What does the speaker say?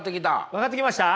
分かってきました？